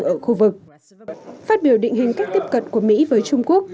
ở khu vực phát biểu định hình cách tiếp cận của mỹ với trung quốc